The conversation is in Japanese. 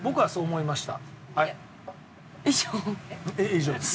以上です。